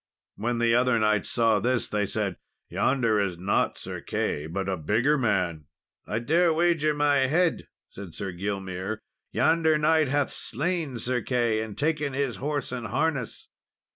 When the other knights saw this, they said, "Yonder is not Sir Key, but a bigger man." "I dare wager my head," said Sir Gilmere, "yonder knight hath slain Sir Key, and taken his horse and harness."